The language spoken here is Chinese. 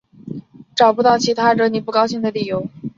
找不到其他惹你不高兴的理由